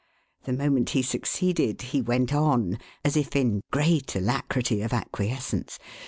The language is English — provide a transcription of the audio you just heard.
The moment he succeeded, he went on, as if in great alacrity of acquiescence.